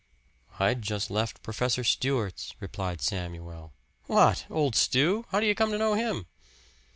"I'd just left Professor Stewart's," replied Samuel. "What! Old Stew? How do you come to know him?"